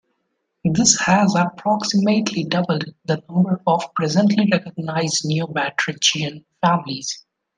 This has approximately doubled the number of presently recognized neobatrachian families.